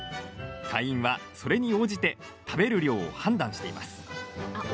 隊員はそれに応じて、食べる量を判断しています。